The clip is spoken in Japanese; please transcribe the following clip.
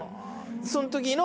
その時の。